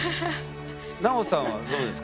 奈緒さんはどうですか？